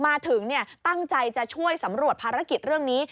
มาถึงตั้งใจจะช่วยสำรวจภารกิจเรื่องนี้